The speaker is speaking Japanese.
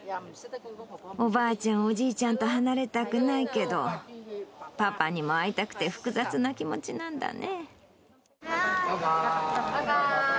おばあちゃん、おじいちゃんと離れたくないけど、パパにも会いたくて、複雑な気持ちなんだね。